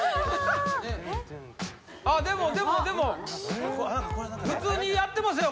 あでもでもでも普通にやってますよ